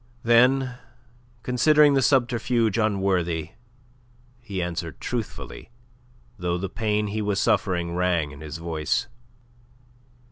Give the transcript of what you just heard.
Then, considering the subterfuge unworthy, he answered truthfully, though the pain he was suffering rang in his voice.